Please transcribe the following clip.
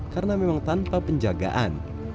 karena memang tanpa penjagaan